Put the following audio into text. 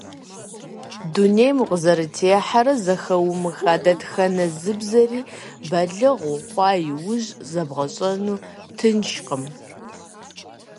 Дунейм укъызэрытехьэрэ зэхыумыха дэтхэнэ зы бзэри балигъ ухъуа иужь зэбгъэщӀэну тыншкъым.